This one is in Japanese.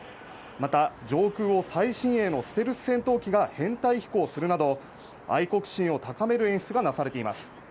また上空を最新鋭のステルス戦闘機が編隊飛行するなど愛国心を高める演出がなされています。